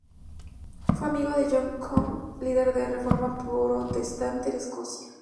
Fue amigo de John Knox, líder de la reforma Protestante en Escocia.